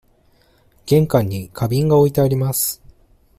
玄関に花瓶が置いてあります。